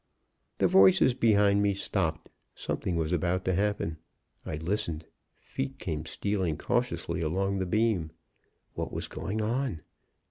"The voices behind me stopped. Something was about to happen. I listened. Feet came stealing cautiously along the beam. What was going on?